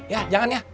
ya jangan ya